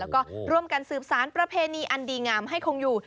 แล้วก็ร่วมกันสืบสารประเพณีอันดีงามให้คงอยู่